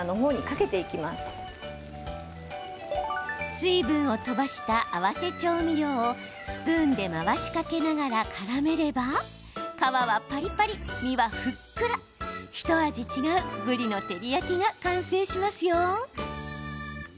水分を飛ばした合わせ調味料をスプーンで回しかけながらからめれば皮はパリパリ、身はふっくらひと味違う、ぶりの照り焼きが完成しますよ。